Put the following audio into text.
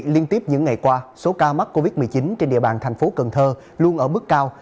liên tiếp những ngày qua số ca mắc covid một mươi chín trên địa bàn thành phố cần thơ luôn ở mức cao